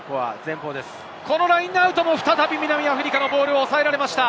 このラインアウトも、再び南アフリカ、ボールを抑えられました。